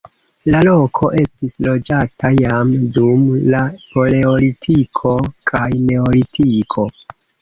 La loko estis loĝata jam dum la paleolitiko kaj neolitiko.